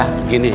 eh gini pak ya